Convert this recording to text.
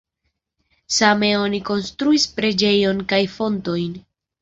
Same oni konstruis preĝejon kaj fontojn.